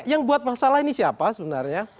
yang buat masalah ini siapa sebenarnya